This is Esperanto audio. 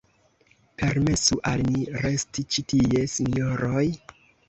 Permesu al ni resti ĉi tie, sinjoroj!